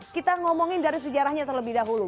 kita ngomongin dari sejarahnya terlebih dahulu